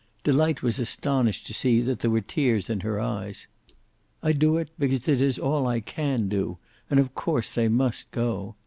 Delight was astonished to see that there were tears in her eyes. "I do it because it is all I can do, and of course they must go.